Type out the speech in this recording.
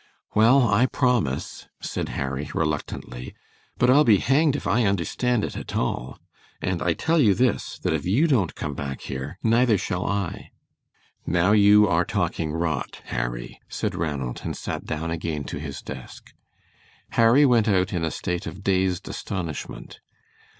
"Well, I promise," said Harry, reluctantly, "but I'll be hanged if I understand it at all; and I tell you this, that if you don't come back here, neither shall I." "Now you are talking rot, Harry," said Ranald, and sat down again to his desk. Harry went out in a state of dazed astonishment.